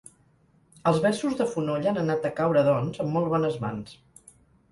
Els versos de Fonoll han anat a caure, doncs, en molt bones mans.